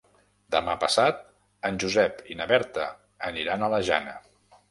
Demà passat en Josep i na Berta aniran a la Jana.